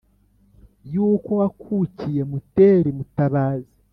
y’uko wakukiye muteri, mutabazi